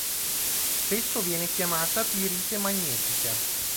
Spesso viene chiamata pirite magnetica.